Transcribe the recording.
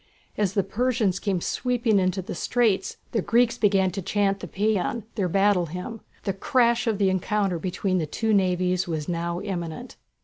As the Persians came sweeping into the straits the Greeks began to chant the Pæan, their battle hymn. The crash of the encounter between the two navies was now imminent.